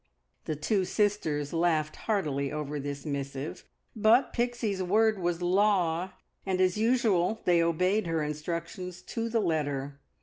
The two sisters laughed heartily over this missive, but Pixie's word was law, and as usual they obeyed her instructions to the letter.